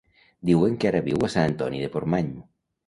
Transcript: Diuen que ara viu a Sant Antoni de Portmany.